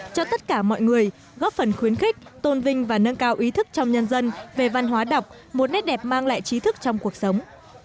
cho tất cả mọi người góp phần khuyến khích tôn vinh và nâng cao ý thức trong nhân dân về văn hóa đọc một nét đẹp mang lại trí thức trong cuộc sống